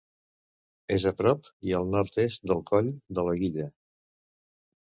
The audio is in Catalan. És a prop i al nord-est del Coll de la Guilla.